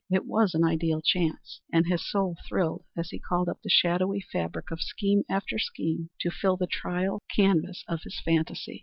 It was an ideal chance, and his soul thrilled as he called up the shadowy fabric of scheme after scheme to fill the trial canvas of his fantasy.